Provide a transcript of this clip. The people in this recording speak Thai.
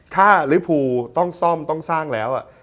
ถ้าลิภูต้องซ่อมต้องสร้างแล้ว